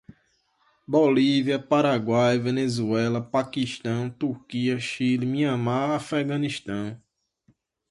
Bolívia, Paraguai, Venezuela, Paquistão, Turquia, Chile, Myanmar, Afeganistão